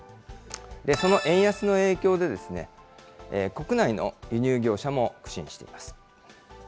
その円安の影響で、国内の輸入業者も苦心しています。